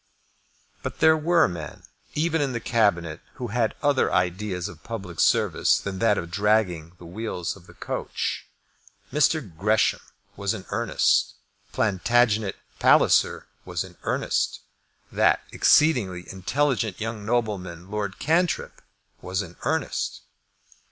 But there were men, even in the Cabinet, who had other ideas of public service than that of dragging the wheels of the coach. Mr. Gresham was in earnest. Plantagenet Palliser was in earnest. That exceedingly intelligent young nobleman Lord Cantrip was in earnest.